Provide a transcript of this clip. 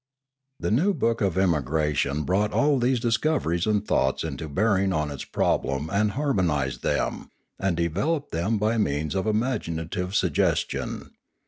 The new book of Emigration brought all these dis coveries and thoughts into bearing on its problem and harmonised them, and developed them by means of imaginative suggestion.